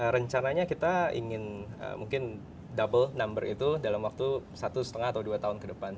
rencananya kita ingin mungkin double number itu dalam waktu satu lima atau dua tahun ke depan